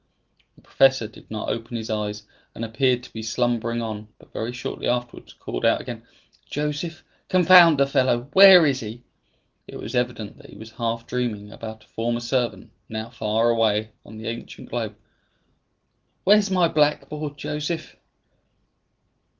The professor did not open his eyes, and appeared to be slumbering on, but very shortly afterwards called out again, "Joseph! Confound the fellow! where is he?" It was evident that he was half dreaming about a former servant now far away on the ancient globe. "Where's my blackboard, Joseph?"